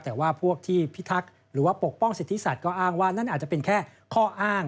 แต่ว่าพวกที่พิทักษ์หรือว่าปกป้องสิทธิสัตวก็อ้างว่านั่นอาจจะเป็นแค่ข้ออ้าง